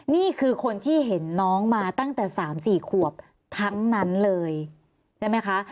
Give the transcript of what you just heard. นี่คือคนที่เห็นน้องมาตั้งแต่๓๔ขวบทั้งนั้นเลยใช่ไหมคะ